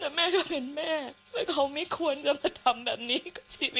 แต่แม่ก็เป็นแม่ว่าเขาไม่ควรจะมาทำแบบนี้สิ